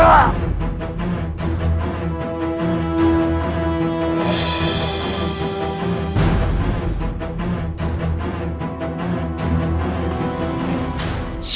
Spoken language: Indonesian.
jadi kau melaju